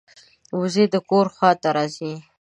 وزې د کور خوا ته راځي